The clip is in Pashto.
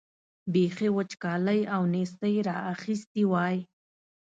بېخي وچکالۍ او نېستۍ را اخیستي وای.